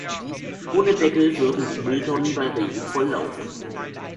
Ohne Deckel würden die Mülltonnen bei Regen volllaufen.